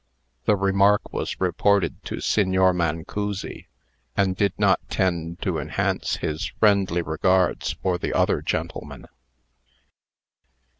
The remark was reported to Signor Mancussi, and did not tend to enhance his friendly regards for the other gentleman.